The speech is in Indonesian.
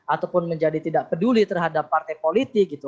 ataupun menjadi tidak peduli terhadap partai politik gitu